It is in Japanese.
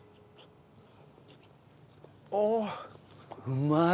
うまい！